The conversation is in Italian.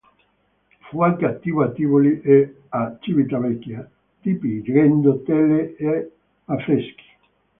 Fu anche attivo a Tivoli e a Civitavecchia, dipingendo tele e affreschi.